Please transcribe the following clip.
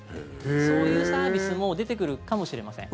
そういうサービスも出てくるかもしれません。